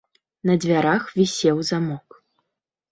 На дзвярах вісеў замок.